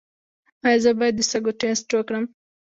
ایا زه باید د سږو ټسټ وکړم؟